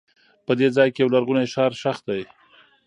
په دې ځای کې یو لرغونی ښار ښخ دی.